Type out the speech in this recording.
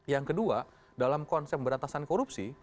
yang kedua dalam konsep beratasan korupsi